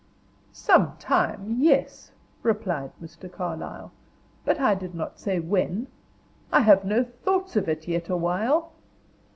"Some time! yes," replied Mr. Carlyle; "but I did not say when. I have no thoughts of it yet awhile."